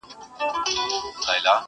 خو لا نن هم دی رواج د اوسنیو،